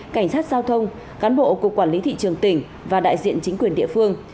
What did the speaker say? cảnh sát giao thông cán bộ cục quản lý thị trường tỉnh và đại diện chính quyền địa phương